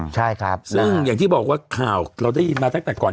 ใช่ครับซึ่งอย่างที่บอกว่าข่าวเราได้ยินมาตั้งแต่ก่อน